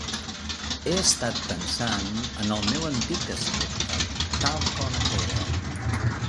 He estat pensant en el meu antic aspecte, tal com era.